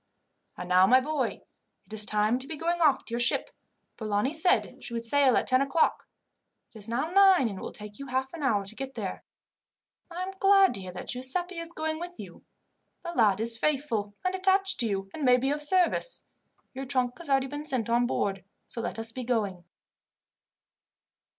"And now, my boy, it is time to be going off to your ship. Polani said she would sail at ten o'clock. It is now nine, and it will take you half an hour to get there. I am glad to hear that Giuseppi is going with you. The lad is faithful and attached to you, and may be of service. Your trunk has already been sent on board, so let us be going."